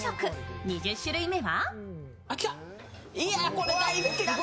２０種類目は？